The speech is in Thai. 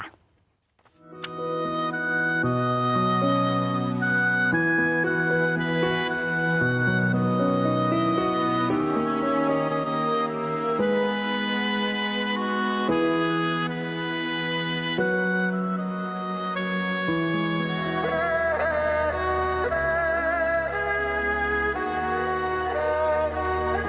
อ่า